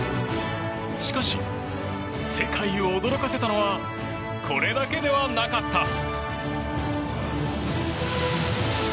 しかし、世界を驚かせたのはこれだけではなかった。